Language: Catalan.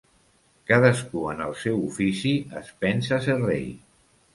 Cadascú en el seu ofici es pensa ser rei.